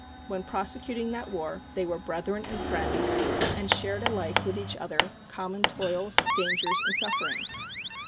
When prosecuting that war they were brethren and friends, and shared alike with each other common toils, dangers, and sufferings.